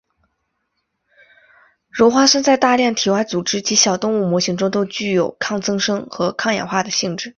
鞣花酸在大量体外组织及小动物模型中都具有抗增生和抗氧化的性质。